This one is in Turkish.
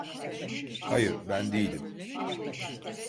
Hayır, ben değilim.